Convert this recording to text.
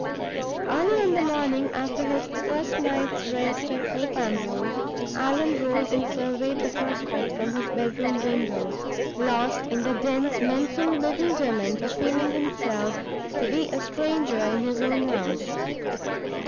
Early on the morning after his first night's rest at Thorpe Ambrose, Allan rose and surveyed the prospect from his bedroom window, lost in the dense mental bewilderment of feeling himself to be a stranger in his own house.